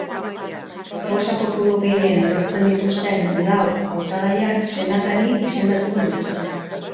Boza kopuru gehien lortzen dituzten lau hautagaiak senatari izendatuko dituzte.